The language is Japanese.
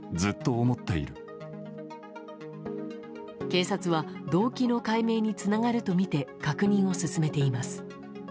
警察は動機の解明につながるとみて確認を進めています。